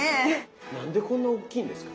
何でこんなおっきいんですか？